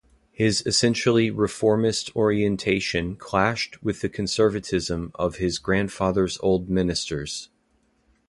His essentially reformist orientation clashed with the conservatism of his grandfather's old ministers.